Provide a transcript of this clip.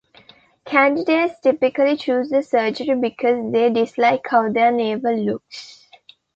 Candidates typically choose the surgery because they dislike how their navel looks.